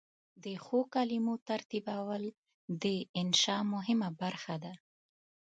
د ښو کلمو ترتیبول د انشأ مهمه برخه ده.